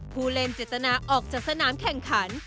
ผู้เล่นเจตนาออกจากสนามแข่งขัน